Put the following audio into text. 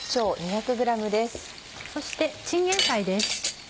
そしてチンゲンサイです。